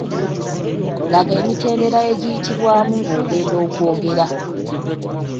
Laga emitendera egiyitibwamu nga ogenda okwogera .